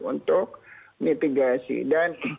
untuk mitigasi dan